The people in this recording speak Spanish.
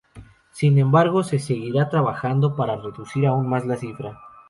Sin embargo se seguirá trabajando para reducir aún más la cifra.